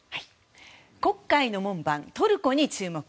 黒海の門番、トルコに注目。